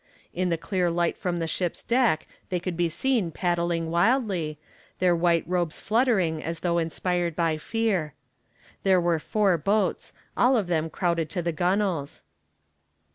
In the clear light from the ship's deck they could be seen paddling wildly, their white robes fluttering as though inspired by fear. There were four boats, all of them crowded to the gunwales.